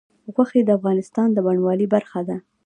غوښې د افغانستان د بڼوالۍ برخه ده.